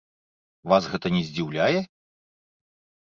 Вас гэта не здзіўляе?